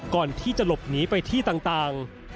ก่อนที่จะหลบหนีไปที่ต่าง